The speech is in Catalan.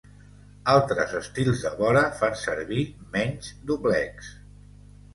Altres estils de vora fan servir menys doblecs.